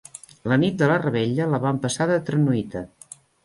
La nit de la revetlla, la van passar de tranuita.